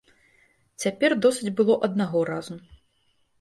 Цяпер досыць было аднаго разу.